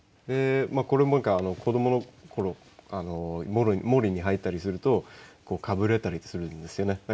でこれも何か子どもの頃森に入ったりするとかぶれたりするんですよね。